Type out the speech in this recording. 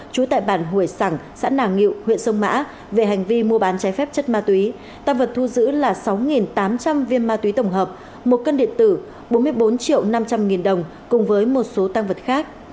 cùng với một số tàng vật khác